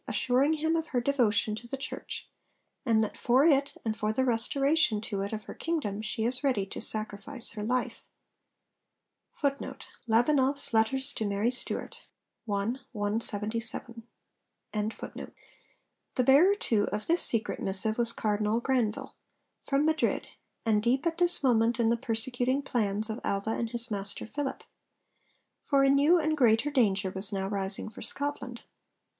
assuring him of her devotion to the Church, and that for it and for the restoration to it of her kingdom she is ready to sacrifice her life. The bearer, too, of this secret missive was Cardinal Granvelle, from Madrid, and deep at this moment in the persecuting plans of Alva and his master Philip. For a new and greater danger was now rising for Scotland.